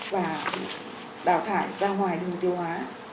và đào thải ra ngoài đường tiêu hóa